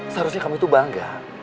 seharusnya kamu itu bangga